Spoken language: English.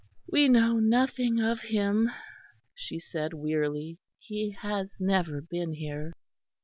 "We know nothing of him," she said, wearily, "he has never been here."